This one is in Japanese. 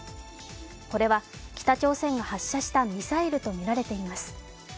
これは、北朝鮮が発射したミサイルとみられています。